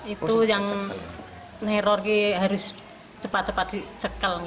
itu yang neror harus cepat cepat dicekel